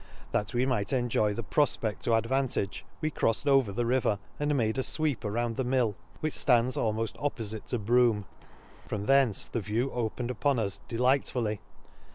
— That we might enjoy the prof pedl to advantage, we crofTed over the river, and made a fweep round the mill, which flands almoft oppofite to Brougham, from thence the view opened upon us de lightfully.